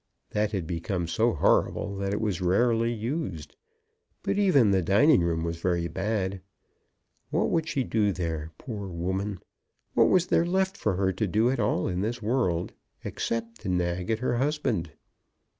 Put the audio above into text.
That had become so horrible that it was rarely used; but even the dining room was very bad. What would she do there, poor woman? What was there left for her to do at all in this world, except to nag at her husband?